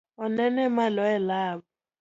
Onene malo e lab?